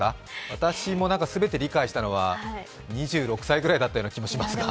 私も全て理解したのは２６歳ぐらいだったような気がしますが。